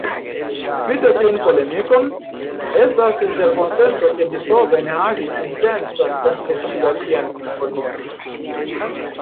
Spite tiun polemikon, estas interkonsento ke Beethoven havis intencon kompletigi alian simfonion.